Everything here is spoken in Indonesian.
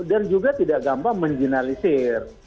dan juga tidak gampang mengenalisir